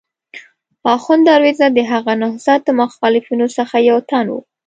اخوند درویزه د هغه نهضت د مخالفینو څخه یو تن و.